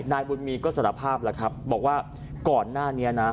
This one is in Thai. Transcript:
นายบุญมีก็สารภาพแล้วครับบอกว่าก่อนหน้านี้นะ